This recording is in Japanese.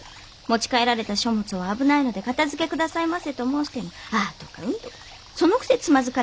持ち帰られた書物を「危ないので片づけ下さいませ」と申しても「ああ」とか「うん」とか。